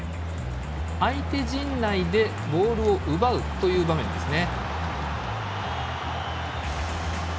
相手陣内でボールを奪うという場面ですね。